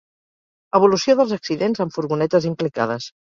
Evolució dels accidents amb furgonetes implicades.